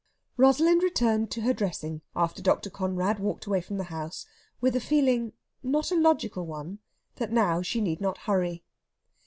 Rosalind returned to her dressing, after Dr. Conrad walked away from the house, with a feeling not a logical one that now she need not hurry.